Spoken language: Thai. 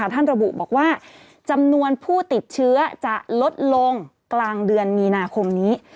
ระบุบอกว่าจำนวนผู้ติดเชื้อจะลดลงกลางเดือนมีนาคมนี้